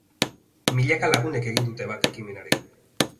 Milaka lagunek egin dute bat ekimenarekin.